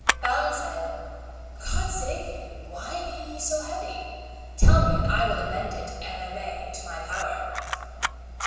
Balin said, God save you, why be ye so heavy? tell me and I will amend it, an I may, to my power.